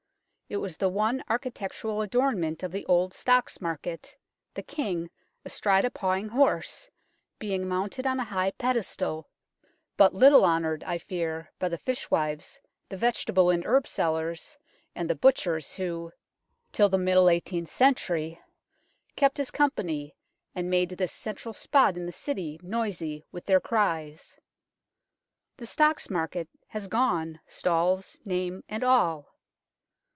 It was the one architectural adornment of the old Stocks Market, the King, astride a pawing horse, being mounted on a high pedestal, but little honoured, I fear, by the fishwives, the vegetable and herb sellers, and the butchers who, till the middle eighteenth century, kept his company, and made this central spot in the City noisy with their cries. The Stocks Market has gone, stalls, name and all.